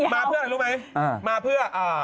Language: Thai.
มาเพื่ออะไรรู้ไหมมาเพื่อ